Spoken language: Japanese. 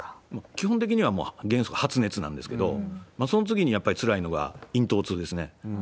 基本的にはもう原則、発熱なんですけど、その次にやっぱりつらいのが咽頭痛ですね。